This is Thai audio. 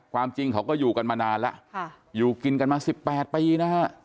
ความจริงเขาก็อยู่กันมานานล่ะค่ะอยู่กินกันมาสิบแปดปีนะฮะ